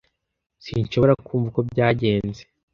S Sinshobora kumva uko byagenze.